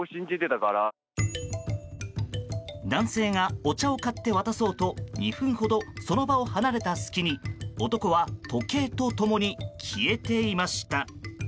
男性がお茶を買って渡そうと２分ほどその場を離れた隙に男は時計と共に消えていました。